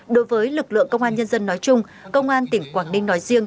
đối với lực lượng công an nhân dân nói chung công an tỉnh quảng ninh nói riêng